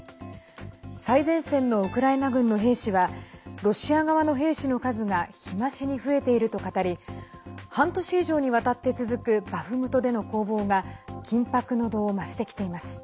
最前線のウクライナ軍の兵士はロシア側の兵士の数が日増しに増えていると語り半年以上にわたって続くバフムトでの攻防が緊迫の度を増してきています。